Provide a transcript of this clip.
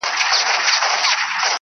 محبت په چیغو وایې قاسم یاره,